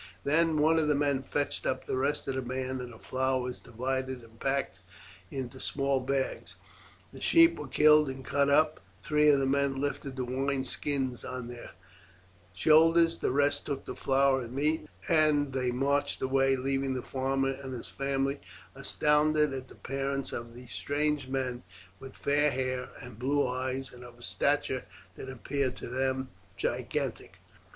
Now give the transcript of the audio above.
Then one of the men fetched up the rest of the band; the flour was divided and packed in the small bags; the sheep were killed and cut up; three of the men lifted the wine skins on to their shoulders; the rest took the flour and meat, and they marched away, leaving the farmer and his family astounded at the appearance of these strange men with fair hair and blue eyes, and of stature that appeared to them gigantic.